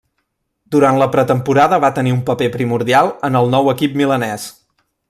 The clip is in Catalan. Durant la pretemporada va tenir un paper primordial en el nou equip milanès.